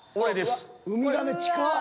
ウミガメ近っ！